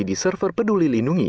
di server peduli lindungi